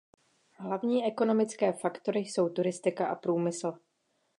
Hlavní ekonomické faktory jsou turistika a průmysl.